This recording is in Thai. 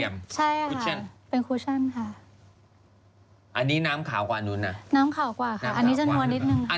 ไม่เล่าไลค์นะ